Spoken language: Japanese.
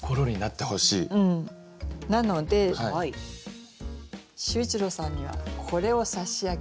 なので秀一郎さんにはこれを差し上げますので。